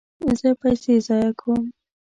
زه پیسې ضایع کوم